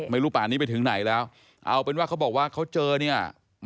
ป่านนี้ไปถึงไหนแล้วเอาเป็นว่าเขาบอกว่าเขาเจอเนี่ย